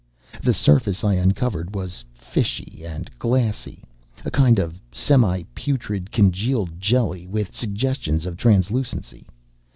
The surface I uncovered was fishy and glassy a kind of semi putrid congealed jelly with suggestions of translucency.